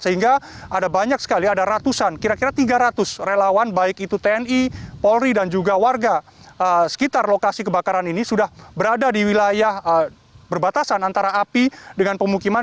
sehingga ada banyak sekali ada ratusan kira kira tiga ratus relawan baik itu tni polri dan juga warga sekitar lokasi kebakaran ini sudah berada di wilayah berbatasan antara api dengan pemukiman